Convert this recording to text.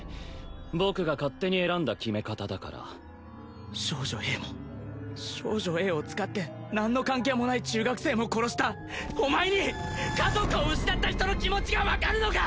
僕が勝手に選んだ決め方だから少女Ａも少女Ａを使って何の関係もない中学生も殺したお前に家族を失った人の気持ちが分かるのか？